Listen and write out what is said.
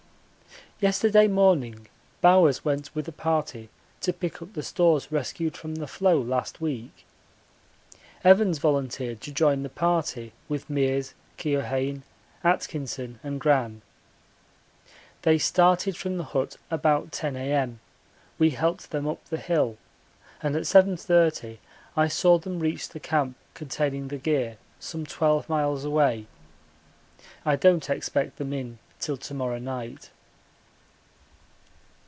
Yesterday morning Bowers went with a party to pick up the stores rescued from the floe last week. Evans volunteered to join the party with Meares, Keohane, Atkinson, and Gran. They started from the hut about 10 A.M.; we helped them up the hill, and at 7.30 I saw them reach the camp containing the gear, some 12 miles away. I don't expect them in till to morrow night.